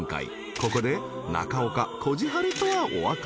［ここで中岡こじはるとはお別れ］